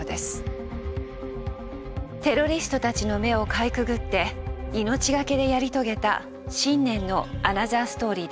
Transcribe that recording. テロリストたちの目をかいくぐって命懸けでやり遂げた信念のアナザーストーリーです。